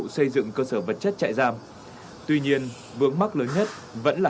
xin chào các bạn